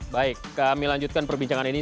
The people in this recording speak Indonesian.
baik kami lanjutkan perbincangan ini